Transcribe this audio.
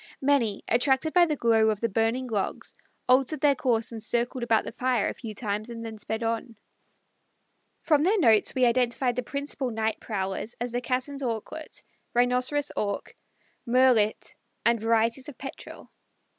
Many, attracted by the glow of the burning logs, altered their course and circled about the fire a few times and then sped on. From their notes we identified the principal night prowlers as the Cassin's Auklet, Rhinoceros Auk, Murrelet, and varieties of Petrel.